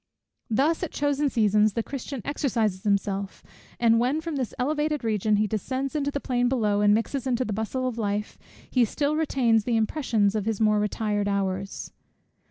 Thus, at chosen seasons, the Christian exercises himself; and when, from this elevated region he descends into the plain below, and mixes in the bustle of life, he still retains the impressions of his more retired hours.